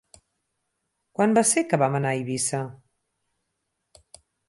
Quan va ser que vam anar a Eivissa?